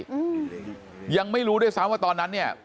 อืมยังไม่รู้ด้วยซ้ำว่าตอนนั้นเนี่ย